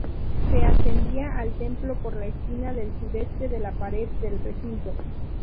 Se accedía al templo por la esquina del sudeste de la pared del recinto.